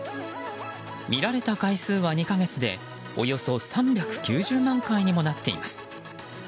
見られた回数は２か月でおよそ３９０万回にもなっています。